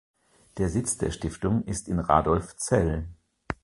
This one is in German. Der Sitz der Stiftung ist in Radolfzell.